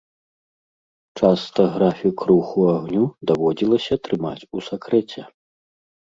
Часта графік руху агню даводзілася трымаць у сакрэце.